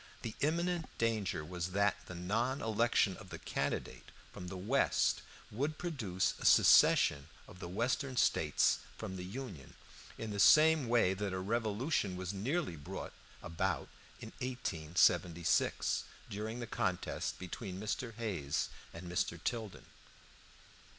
The imminent danger was that the non election of the candidate from the West would produce a secession of the Western States from the Union, in the same way that a revolution was nearly brought about in 1876, during the contest between Mr. Hayes and Mr. Tilden.